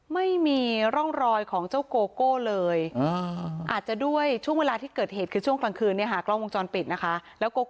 ที่นี้ค่ะก็ต้องไปหาตรวจสอบกล้องวงจอดปิดของบ้านนะฮะ